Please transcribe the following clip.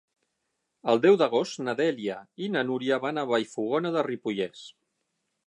El deu d'agost na Dèlia i na Núria van a Vallfogona de Ripollès.